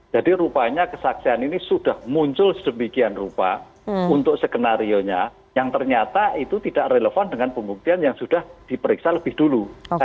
jadi rupanya kesaksian ini sudah muncul sedemikian rupa untuk skenario nya yang ternyata itu tidak relevan dengan pembuktian yang sudah diperiksa lebih dulu